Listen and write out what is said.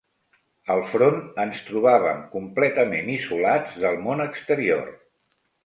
Al front ens trobàvem completament isolats del món exterior